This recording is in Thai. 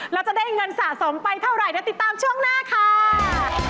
แล้วจะได้เงินสะสมไปเท่าไหร่เดี๋ยวติดตามช่วงหน้าค่ะ